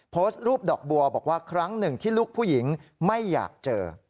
โพสต์รูปดอกบัวบอกว่าครั้งหนึ่งที่ลูกผู้หญิงไม่อยากเจอ